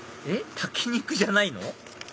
炊き肉じゃないの？